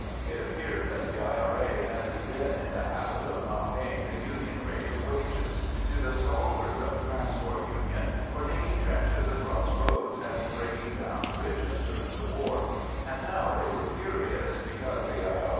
It appeared that the I.R.A. had been in the habit of not paying the Union rate of wages to the stalwarts of the Transport Union for digging trenches across roads and breaking down bridges during the war, and now they were furious because the I.R.